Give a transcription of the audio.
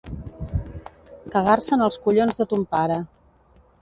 Cagar-se en els collons de ton pare.